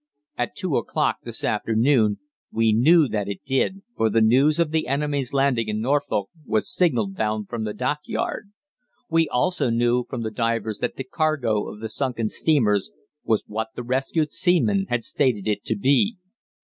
At two o'clock this afternoon we knew that it did, for the news of the enemy's landing in Norfolk was signalled down from the dockyard. We also knew from the divers that the cargo of the sunken steamers was what the rescued seamen had stated it to be.